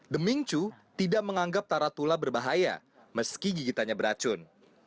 demingcu tidak menganggap tarantula berbahaya meski gigitannya beracun